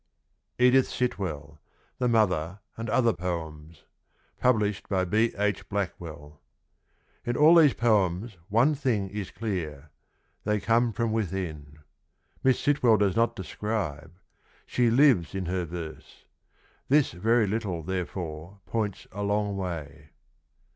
Edith Sitwell. THE MOTHER, AND OTHER POEMS. Published by B. H. BLACKWELL. In all these poems one thing is clear. They come from within. Miss Sitwell does not describe, she lives in her verse. This very little therefore points a long way.